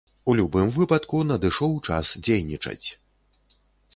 У любым выпадку, надышоў час дзейнічаць!